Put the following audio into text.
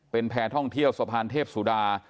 เป็นแพร่ท่องเที่ยวสะพานเทพสุดา